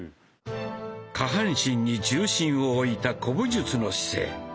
下半身に重心を置いた古武術の姿勢。